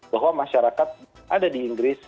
bahwa masyarakat ada di inggris